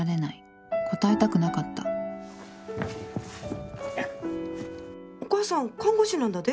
答えたくなかったお母さん看護師なんだで？